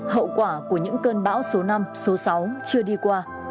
hậu quả của những cơn bão số năm số sáu chưa đi qua